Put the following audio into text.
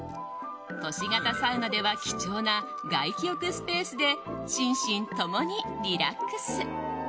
都市型サウナでは貴重な外気浴スペースで心身ともにリラックス。